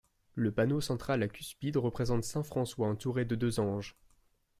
Le panneau central à cuspide représente saint François entouré de deux anges.